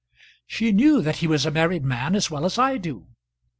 She knew that he was a married man as well as I do.